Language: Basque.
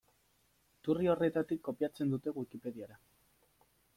Iturri horretatik kopiatzen dute Wikipediara.